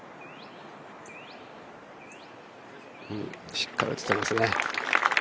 しっかり打ててますね。